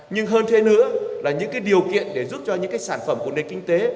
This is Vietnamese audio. nhưng hơn thế nữa là những điều kiện để giúp cho những sản phẩm của nền kinh tế